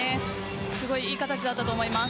非常に良い形だったと思います。